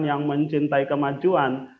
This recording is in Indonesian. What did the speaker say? yang mencintai kemajuan